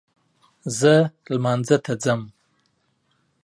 زه لمانځه ته ځم